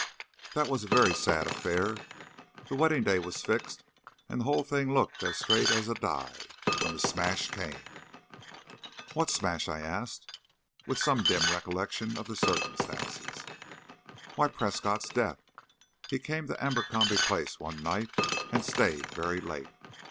That was a very sad affair. The wedding day was fixed, and the whole thing looked as straight as a die when the smash came." "What smash?" I asked, with some dim recollection of the circumstances. "Why, Prescott's death. He came to Abercrombie Place one night, and stayed very late.